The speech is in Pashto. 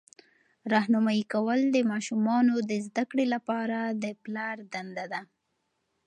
راهنمایي کول د ماشومانو د زده کړې لپاره د پلار دنده ده.